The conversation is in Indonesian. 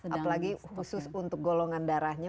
apalagi khusus untuk golongan darahnya